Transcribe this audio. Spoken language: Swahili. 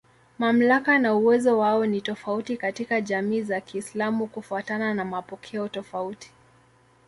Mamlaka na uwezo wao ni tofauti katika jamii za Kiislamu kufuatana na mapokeo tofauti.